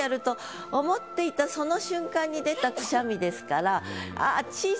思っていたその瞬間に出たくしゃみですから。